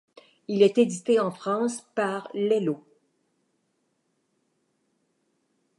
Il est édité en France par Iello.